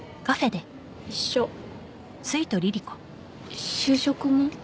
一緒就職も？